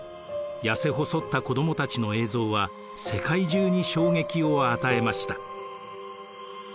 やせ細った子どもたちの映像は世界中に衝撃を与えました。